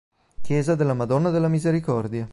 Chiesa della Madonna della Misericordia